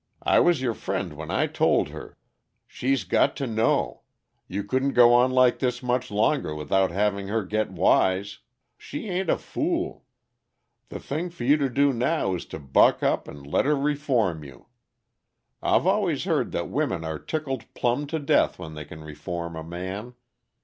I was your friend when I told her. She's got to know you couldn't go on like this much longer without having her get wise; she ain't a fool. The thing for you to do now is to buck up and let her reform you. I've always heard that women are tickled plumb to death when they can reform a man.